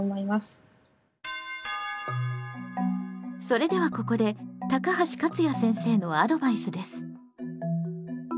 それではここで高橋勝也先生のアドバイスです。